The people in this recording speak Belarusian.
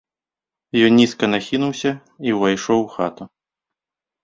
Ён нізка нахінуўся і ўвайшоў у хату.